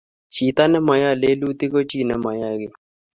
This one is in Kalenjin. chito ne mayoe lelut ko chi ne mayae kiy